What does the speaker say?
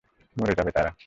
মরে যাবে তারা।